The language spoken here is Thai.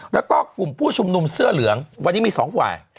แล้วก็กลุ่มผู้ชุมนุมเสื้อเหลืองวันนี้มี๒ฝ่าย